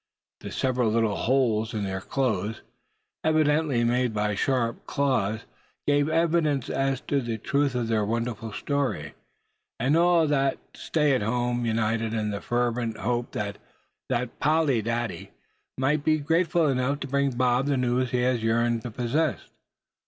The several little holes in their clothes, evidently made by sharp claws, gave evidence as to the truth of their wonderful story. And all of the stay at homes united in the fervent hope that Polly Dady might be grateful enough to bring Bob the news he yearned to possess.